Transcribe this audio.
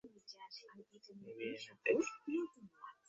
তিনি ভিয়েনাতে ফিরে আসেন।